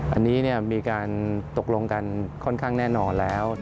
อันนี้มีการตกลงกันค่อนข้างแน่นอนแล้ว